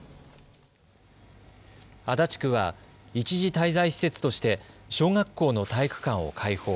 足立区は一時滞在施設として小学校の体育館を開放。